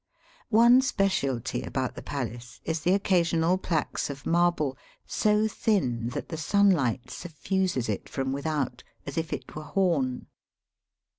One specialty about the palace is the occa sional plaques of marble, so thin that the sunlight suffuses it from without, as if it were horn.